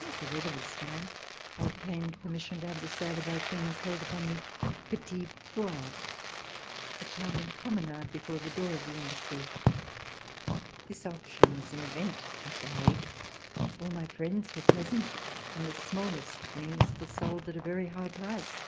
As the weather was fine, I obtained permission to have the sale of our things held upon the Petit Voorhout, a charming promenade before the door of the Embassy. This auction was an event at The Hague. All my friends were present, and the smallest things were sold at a very high price.